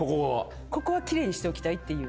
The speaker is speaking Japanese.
ここは奇麗にしておきたいっていう。